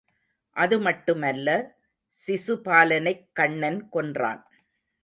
அதுமட்டு மல்ல சிசுபாலனைக் கண்ணன் கொன்றான்.